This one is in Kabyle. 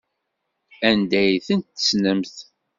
Anda ay tent-tessnemt?